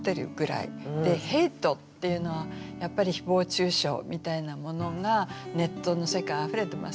で「ヘイト」っていうのはやっぱりひぼう中傷みたいなものがネットの世界あふれてますよね。